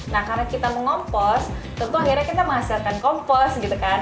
nah karena kita mengompos tentu akhirnya kita menghasilkan kompos gitu kan